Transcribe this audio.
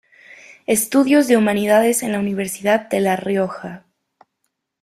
Estudios de Humanidades en la Universidad de La Rioja.